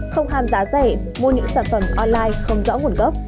không ham giá rẻ mua những sản phẩm online không rõ nguồn gốc